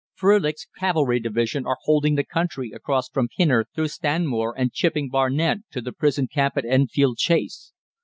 Frölich's Cavalry Division are holding the country across from Pinner through Stanmore and Chipping Barnet to the prison camp at Enfield Chase.